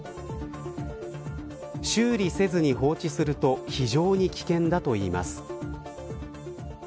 修理せずに放置すると非常に危険だといいます。